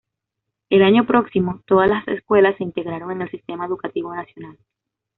El año próximo, todas las escuelas se integraron en el sistema educativo nacional.